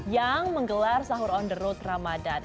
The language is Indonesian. yang menggelar sahur on the road ramadan